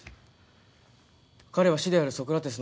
彼は師であるソクラテスの。